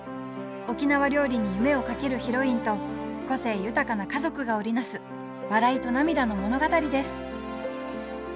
沖縄料理に夢をかけるヒロインと個性豊かな家族が織り成す笑いと涙の物語です